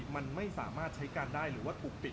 มันไม่สามารถใช้การได้หรือว่าถูกปิด